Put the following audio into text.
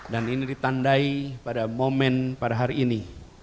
dan ini ditandai pada momen pada hari ini